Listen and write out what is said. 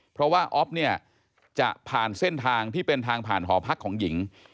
เพราะว่าอ๊อฟเนี่ยจะผ่านเส้นทางที่เป็นทางผ่านหอพักของหญิง